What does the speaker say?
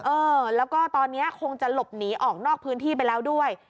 เออแล้วก็ตอนนี้คงจะหลบหนีออกนอกพื้นที่ไปแล้วด้วย